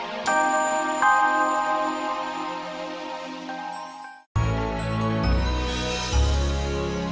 untuk ingin mengetahui animals dan cinta bapak